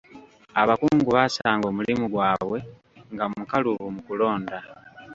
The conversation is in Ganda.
Abakungu baasanga omulimu gwabwe nga mukalubu mu kulonda.